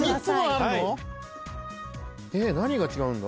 何が違うんだ？